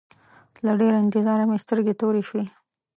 له ډېره انتظاره مې سترګې تورې شوې.